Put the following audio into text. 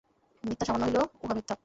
মিথ্যা সামান্য হইলেও উহা মিথ্যা।